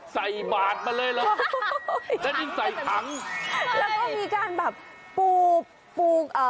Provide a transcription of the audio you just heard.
ใส่บาทมาเลยเหรอแล้วดินใส่ถังแล้วก็มีการแบบปูปลูกเอ่อ